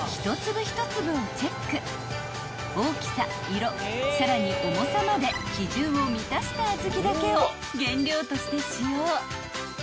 ［大きさ色さらに重さまで基準を満たしたあずきだけを原料として使用］